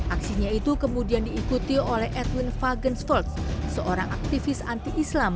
aksinya itu kemudian diikuti oleh edwin fagens forts seorang aktivis anti islam